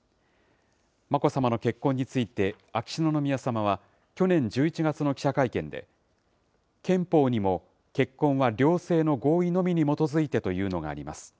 眞子さまの結婚について、秋篠宮さまは、去年１１月の記者会見で、憲法にも結婚は両性の合意のみに基づいてというのがあります。